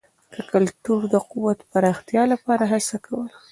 د کلتور د قوت د پراختیا لپاره هڅه کول.